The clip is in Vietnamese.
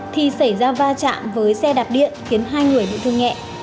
thì xảy ra va chạm với xe đạp điện khiến hai người bị thương nhẹ